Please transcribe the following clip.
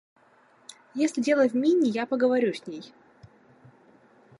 Если дело в Минни, я поговорю с ней.